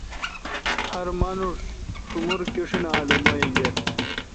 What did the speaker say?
ہر مانوش شومور کیشیناں الومہ اینگر